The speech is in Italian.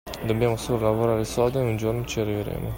Dobbiamo solo lavorare sodo e un giorno ci arriveremo.